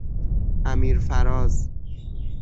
امیرفراز